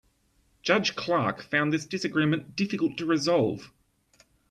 Judge Clark found this disagreement difficult to resolve.